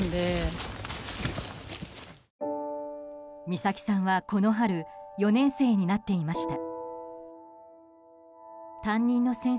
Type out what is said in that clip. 美咲さんはこの春４年生になっていました。